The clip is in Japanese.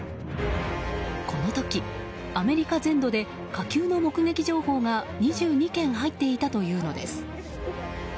この時、アメリカ全土で火球の目撃情報が２２件入っていたというのです。